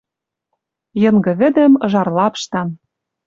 Йынгы вӹдӹм ыжар лапштан